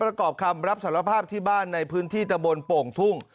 ประกอบคำรับสารภาพที่บ้านในพื้นที่ตะบนโป่งทุ่ง